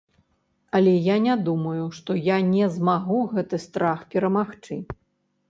Але я не думаю, што я не змагу гэты страх перамагчы.